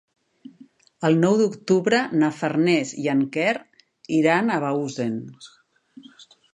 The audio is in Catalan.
El nou d'octubre na Farners i en Quer iran a Bausen.